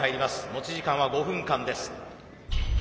持ち時間は５分間です。